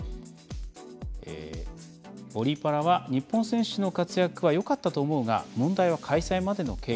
「オリパラは日本選手の活躍はよかったと思うが問題は開催までの経緯。